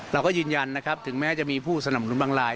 เราก็ยืนยันนะครับถึงแม้จะมีผู้สนับหนุนบางลาย